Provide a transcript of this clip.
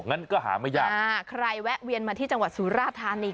งั้นก็หาไม่ยากอ่าใครแวะเวียนมาที่จังหวัดสุราธานี